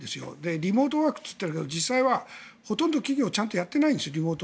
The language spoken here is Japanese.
リモートワークって言ってるけど実際はほとんど企業はちゃんとやってないです。